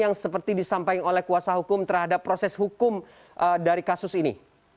yang seperti disampaikan oleh kuasa hukum terhadap proses hukum dari kasus ini